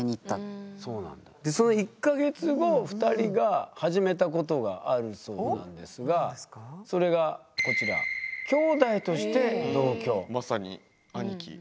その１か月後２人が始めたことがあるそうなんですがそれがこちらまさに兄貴。